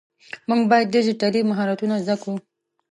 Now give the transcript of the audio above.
مونږ باید ډيجيټلي مهارتونه زده کړو.